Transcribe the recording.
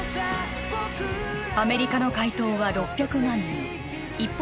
アメリカの回答は６００万人一方